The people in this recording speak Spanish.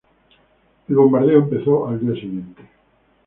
El bombardeo empezó al día siguiente.